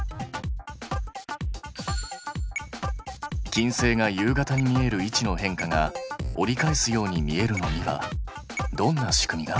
金星が夕方に見える位置の変化が折り返すように見えるのにはどんな仕組みが？